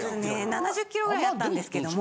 ７０ｋｇぐらいあったんですけども。